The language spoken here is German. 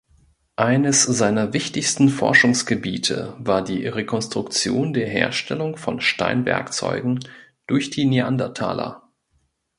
Eines seiner wichtigsten Forschungsgebiete war die Rekonstruktion der Herstellung von Steinwerkzeugen durch die Neandertaler.